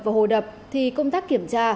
và hồ đập thì công tác kiểm tra